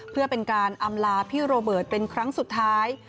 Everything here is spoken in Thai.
เพื่อเป็นการอำลาพี่โรเบิร์ตเป็นครั้งสุดท้าย